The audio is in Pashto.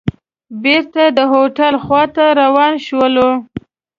بېرته د هوټل خوا ته روان شولو.